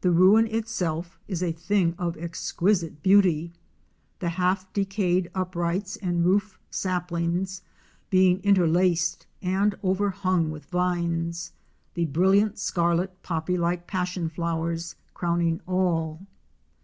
The ruin itself is a thing of exquisite beauty, the half decayed uprights and roof saplings being interlaced and overhung with vines, the brilliant scarlet, poppy like passion flowers crowning all.